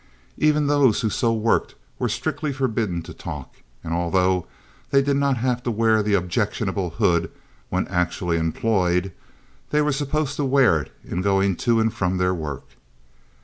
Even those who so worked were strictly forbidden to talk, and although they did not have to wear the objectionable hood when actually employed, they were supposed to wear it in going to and from their work.